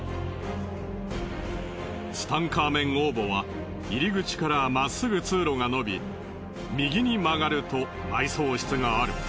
ツタンカーメン王墓は入り口からまっすぐ通路が伸び右に曲がると埋葬室がある。